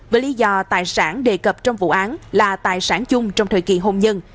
với lý do tài sản đề cập trong vụ án là tài sản chung trong thời kỳ hôn nhân